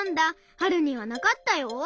はるにはなかったよ。